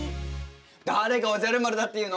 誰がおじゃる丸だっていうの。